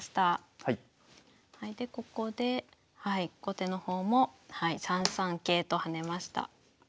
でここで後手の方も３三桂と跳ねました。